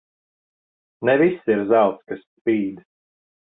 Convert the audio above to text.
Ne viss ir zelts, kas spīd.